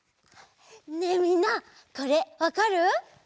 ねえみんなこれわかる？